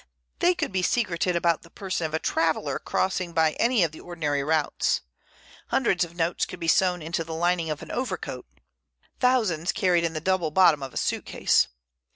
They could be secreted about the person of a traveller crossing by any of the ordinary routes. Hundreds of notes could be sewn into the lining of an overcoat, thousands carried in the double bottom of a suitcase.